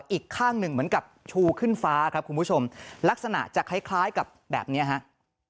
อีกข้างหนึ่งเหมือนกับชูขึ้นฟ้าครับคุณผู้ชมลักษณะจะคล้ายคล้ายกับแบบเนี้ยฮะ